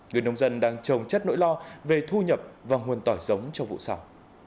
người nông dân đang trồng chất nỗi lo về thu nhập và nguồn tỏi giống cho vụ sau